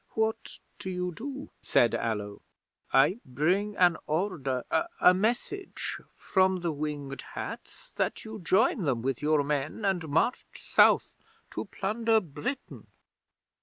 '"What do you do?" said Allo. "I bring an order a message from the Winged Hats that you join them with your men, and march South to plunder Britain."